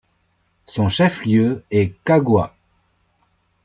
Son chef-lieu est Cagua.